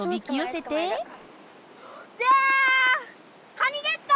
カニゲット！